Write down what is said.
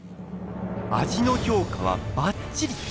味の評価はバッチリ。